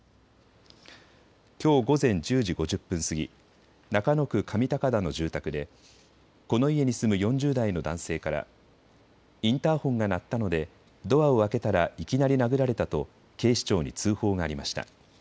きょう午前１０時５０分過ぎ中野区上高田の住宅でこの家に住む４０代の男性からインターホンが鳴ったのでドアを開けたらいきなり殴られたと警視庁に通報がありました。